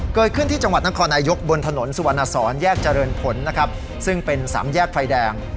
เกิดขึ้นที่จังหวัดนครนายกบนถนนสุวรรณสอนแยกเจริญผลนะครับซึ่งเป็นสามแยกไฟแดง